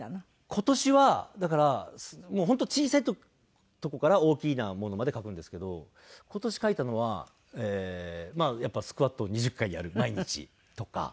今年はだからもう本当小さいとこから大きなものまで書くんですけど今年書いたのはやっぱり「スクワットを２０回やる毎日」とか。